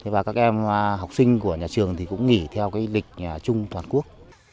và các em học sinh của nhà trường thì cũng nghỉ theo cái lịch chung toàn quốc